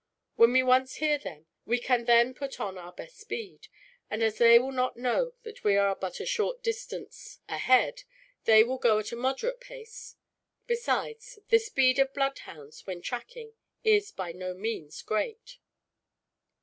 When we once hear them, we can then put on our best speed; and as they will not know that we are but a short distance ahead, they will go at a moderate pace. Besides, the speed of bloodhounds, when tracking, is by no means great."